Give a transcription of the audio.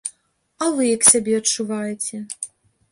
А вы як сябе адчуваеце?